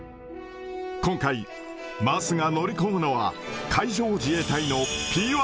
今回、桝が乗り込むのは、海上自衛隊のＰー